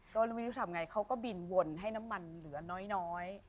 ตอนนี้ทำยังไงเค้าก็บินวนให้น้ำมันเหลือน้อย